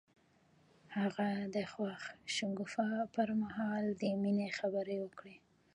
هغه د خوښ شګوفه پر مهال د مینې خبرې وکړې.